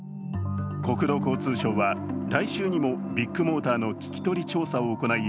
国土交通省は来週にもビッグモーターの聞き取り調査を行い